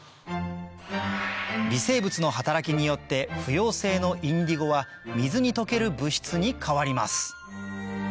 微生物の働きによって不溶性のインディゴは水に溶ける物質に変わります